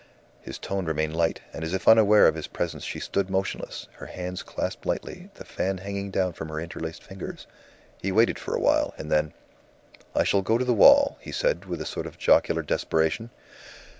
His tone remained light, and as if unaware of his presence she stood motionless, her hands clasped lightly, the fan hanging down from her interlaced fingers. He waited for a while, and then "I shall go to the wall," he said, with a sort of jocular desperation.